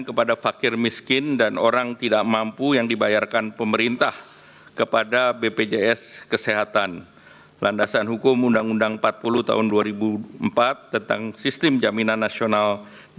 kemudian juga terjadi saat kenaikan harga komoditas global